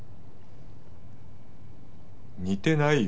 似てないよ。